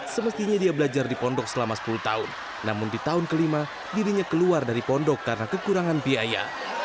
semestinya dia belajar di pondok selama sepuluh tahun namun di tahun kelima dirinya keluar dari pondok karena kekurangan biaya